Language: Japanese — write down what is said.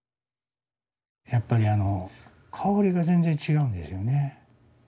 やっぱりあのかおりが全然違うんですよね。